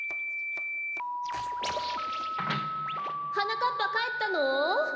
はなかっぱかえったの？